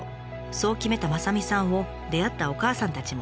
そう決めた雅美さんを出会ったお母さんたちも応援。